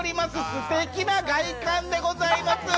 すてきな外観でございます。